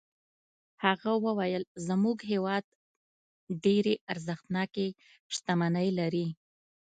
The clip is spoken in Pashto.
هغه وویل زموږ هېواد ډېرې ارزښتناکې شتمنۍ لري.